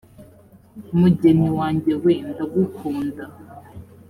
mugeni wanjye we ndagukunda.